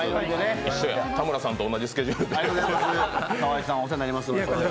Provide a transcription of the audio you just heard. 田村さんと同じスケジュールで。